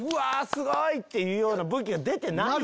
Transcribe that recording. すごい！っていうような武器が出てないよ。